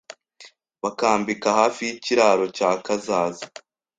bakambika hafi y’ikiraro cya Kazaza